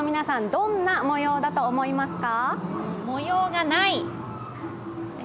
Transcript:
どんな模様だと思いますか？